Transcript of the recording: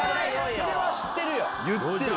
それは知ってるよ。